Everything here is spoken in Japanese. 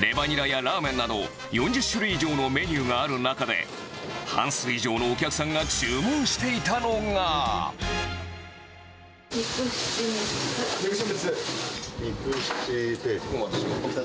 レバニラやラーメンなど、４０種類以上のメニューがある中で、半数以上のお客さんが注文しニクシチ３つ。